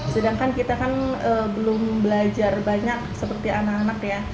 sedangkan kita kan belum belajar banyak seperti anak anak ya